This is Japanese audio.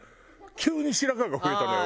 急に白髪が増えたのよ